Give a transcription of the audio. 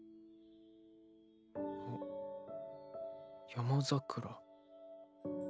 「山桜」。